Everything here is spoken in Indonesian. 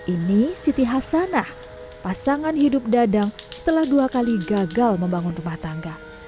ini siti hasanah pasangan hidup dadang setelah dua kali gagal membangun rumah tangga